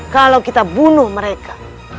kalau kita bunuh mereka